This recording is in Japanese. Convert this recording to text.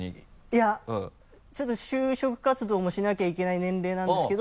いやちょっと就職活動もしなきゃいけない年齢なんですけど。